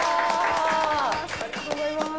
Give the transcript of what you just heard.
ありがとうございます。